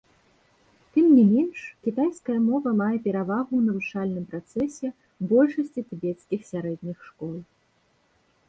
Тым не менш, кітайская мова мае перавагу ў навучальным працэсе большасці тыбецкіх сярэдніх школ.